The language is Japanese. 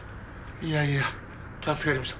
いやいや助かりました。